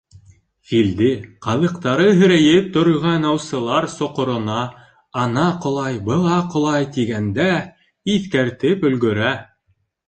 Филде, ҡаҙыҡтары һерәйеп торған аусылар соҡорона ана ҡолай, была ҡолай тигәндә, иҫкәртеп өлгөрә.